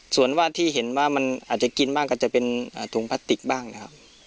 ส่วนว่าที่เห็นว่ามันอาจจะกินบ้างก็จะเป็นถุงพลาสติกบ้างนะครับ